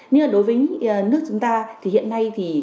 nhưng mà đối với nước chúng ta thì hiện nay thì